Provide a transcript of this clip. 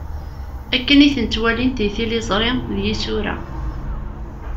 Akken i ten-ttwalint deg tiliẓri d yisura.